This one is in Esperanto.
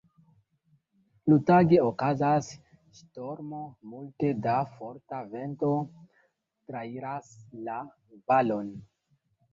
Iutage, okazas ŝtormo. Multe da forta vento trairas la valon.